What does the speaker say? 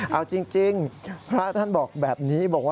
เอาจริงพระท่านบอกแบบนี้